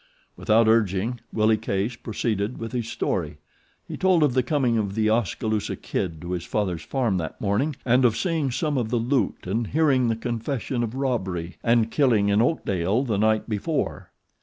Without urging, Willie Case proceeded with his story. He told of the coming of The Oskaloosa Kid to his father's farm that morning and of seeing some of the loot and hearing the confession of robbery and killing in Oakdale the night before.